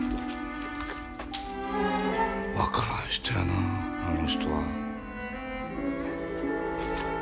分からん人やなああの人は。